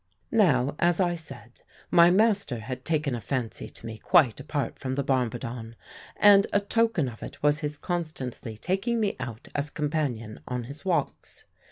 "Now, as I said, my master had taken a fancy to me quite apart from the bombardon, and a token of it was his constantly taking me out as companion on his walks.